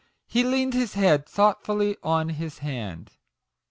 He leaned his head thoughtfully on his hand.